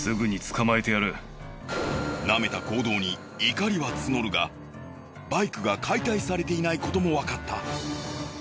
なめた行動に怒りは募るがバイクが解体されていないこともわかった。